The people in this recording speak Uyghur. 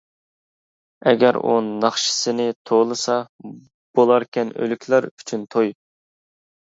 ئەگەر ئۇ ناخشىسىنى توۋلىسا، بولاركەن ئۆلۈكلەر ئۈچۈن توي.